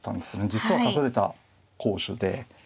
実は隠れた好手で。